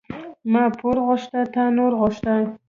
ما پور غوښته، تا نور غوښته.